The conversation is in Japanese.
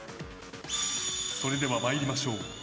それでは参りましょう。